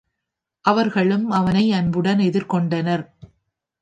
அவர்களும் அவனை அன்புடன் எதிர்கொண்டனர்.